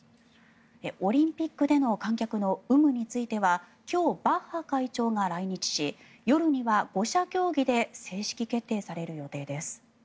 オリンピックでの観客の有無については今日、バッハ会長が来日し夜には５者協議で正式決定される予定です。